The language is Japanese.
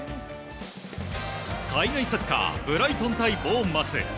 海外サッカーブライトン対ボーンマス。